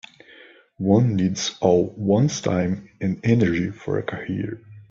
One needs all one's time and energy for a career.